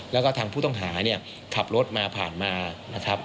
แล้วก็ทางผู้ต้องหาเนี่ยขับรถมาผ่านมานะครับ